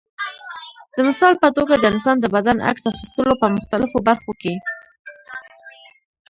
د مثال په توګه د انسان د بدن عکس اخیستلو په مختلفو برخو کې.